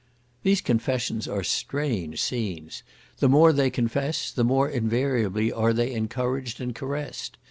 These confessions are strange scenes; the more they confess, the more invariably are they encouraged and caressed.